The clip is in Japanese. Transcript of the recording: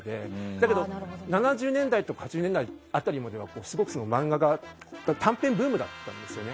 だけど、７０年代や８０年代辺りまでは短編ブームだったんですよね。